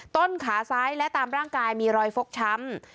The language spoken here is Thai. ต้นขาซ้ายและตามร่างกายมีรอยฟกช้ำ